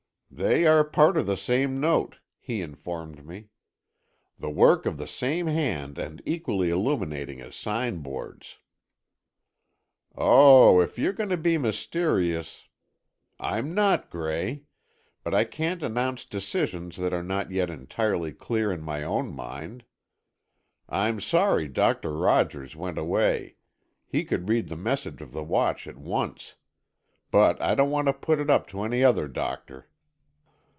"They are part of the same note," he informed me. "The work of the same hand and equally illuminating as signboards." "Oh, if you're going to be mysterious——" "I'm not, Gray, but I can't announce decisions that are not yet entirely clear in my own mind. I'm sorry Doctor Rogers went away—he could read the message of the watch at once. But I don't want to put it up to any other doctor."